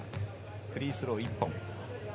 フリースロー１本。